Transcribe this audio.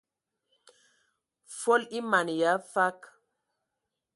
Fol e man yə afag.